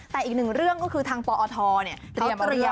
แต่อีกหนึ่งเรื่องก็คือทางปอทเตรียม